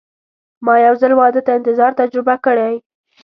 ما یو ځل واده ته انتظار تجربه کړی.